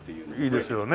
いいですよね。